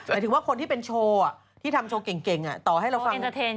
หมายถึงว่าคนที่เป็นโชว์ที่ทำโชว์เก่งต่อให้เราฟัง